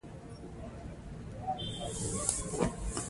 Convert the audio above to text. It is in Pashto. د ملالۍ تر څنګ روان شه.